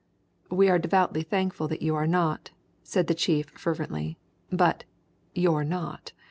"We are devoutly thankful that you are not," said the chief fervently. "But you're not!